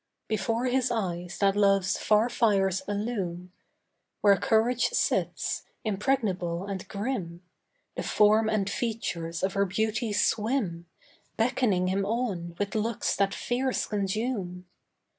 Before his eyes that love's far fires illume Where courage sits, impregnable and grim The form and features of her beauty swim, Beckoning him on with looks that fears consume.